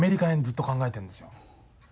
ずっと考えてるんですよ。